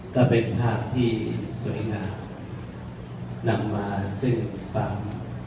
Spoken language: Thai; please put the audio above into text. ก็เป็นภาพที่สวยงามนำมาซึ่งความ